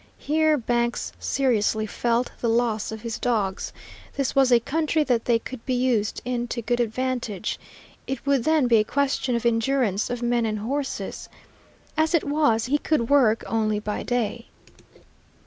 Here Banks seriously felt the loss of his dogs. This was a country that they could be used in to good advantage. It would then be a question of endurance of men and horses. As it was, he could work only by day.